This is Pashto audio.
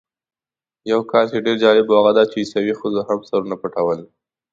یو کار چې جالب و هغه دا چې عیسوي ښځو هم سرونه پټول.